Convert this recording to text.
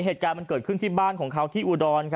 เหตุการณ์มันเกิดขึ้นที่บ้านของเขาที่อุดร